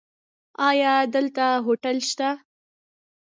ایا دلته هوټل شته؟